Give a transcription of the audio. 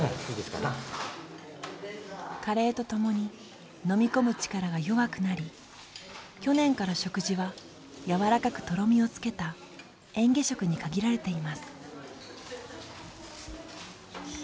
加齢とともに飲み込む力が弱くなり去年から食事はやわらかくとろみをつけたえん下食に限られています。